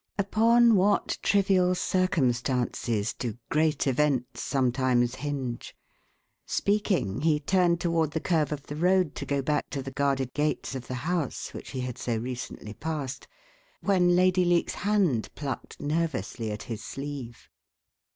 Upon what trivial circumstances do great events sometimes hinge! Speaking, he turned toward the curve of the road to go back to the guarded gates of the house which he had so recently passed, when Lady Leake's hand plucked nervously at his sleeve.